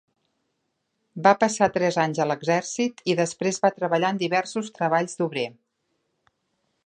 Va passar tres anys a l'exèrcit i després va treballar en diversos treballs d'obrer.